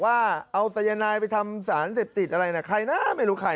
ว่าเอาสายนายไปทำสารเสพติดอะไรนะใครนะไม่รู้ใคร